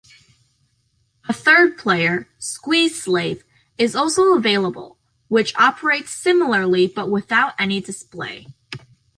A third player, SqueezeSlave, is also available, which operates similarly but without any display.